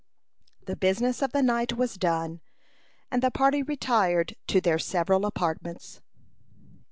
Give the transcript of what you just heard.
The business of the night was done, and the party retired to their several apartments.